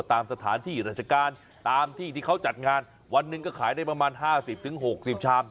ตามสถานที่ราชการตามที่ที่เขาจัดงานวันหนึ่งก็ขายได้ประมาณ๕๐๖๐ชาม